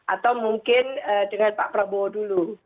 atau mungkin dengan pak prabowo dulu